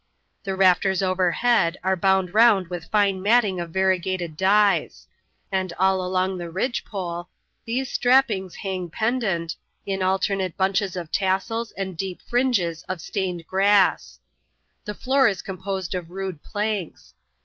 The rafters overhead are bound round with fine matting of variegated dyes ; and all along the ridge pole, these strappings hang pendent, in alternate bunches of tassels and deep fringes of stained grass. The floor is composed of rude planks.